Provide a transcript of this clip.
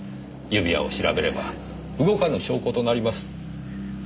指輪を調べれば動かぬ証拠となります。